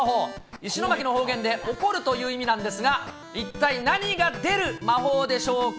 石巻の方言で怒るという意味なんですが、一体、何が出る魔法でしょうか。